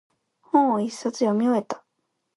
本を一冊読み終えた。